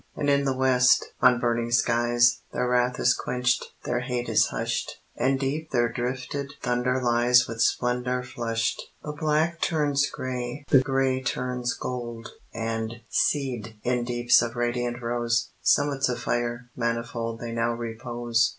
And in the west, on burning skies, Their wrath is quenched, their hate is hushed, And deep their drifted thunder lies With splendor flushed. The black turns gray, the gray turns gold; And, seaed in deeps of radiant rose, Summits of fire, manifold They now repose.